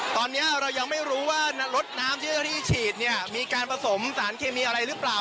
ตอนนี้เรายังไม่รู้ว่ารถน้ำที่เจ้าหน้าที่ฉีดเนี่ยมีการผสมสารเคมีอะไรหรือเปล่า